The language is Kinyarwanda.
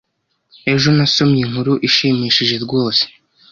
Ejo, nasomye inkuru ishimishije rwose.